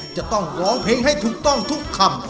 จะต้องร้องเพลงให้ถูกต้องทุกคำ